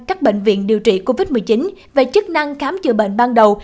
các bệnh viện điều trị covid một mươi chín về chức năng khám chữa bệnh ban đầu